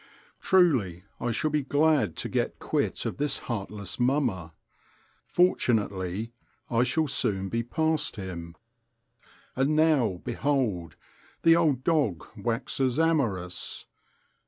Truly, I shall be glad to get quit of this heartless mummer. Fortunately I shall soon be past him. And now, behold! the old dog waxes amorous.